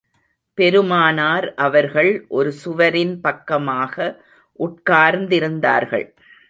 பெருமானார் அவர்கள் ஒரு சுவரின் பக்கமாக உட்கார்ந்திருந்தார்கள்.